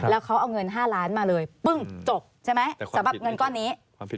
แล้วเขาเอาเงิน๕ล้านมาเลยปึ้งจบใช่ไหมสำหรับเงินก้อนนี้